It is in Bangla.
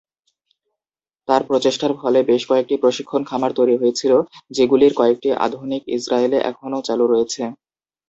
তার প্রচেষ্টার ফলে বেশ কয়েকটি প্রশিক্ষণ খামার তৈরি হয়েছিল, যেগুলির কয়েকটি আধুনিক ইসরায়েলে এখনও চালু রয়েছে।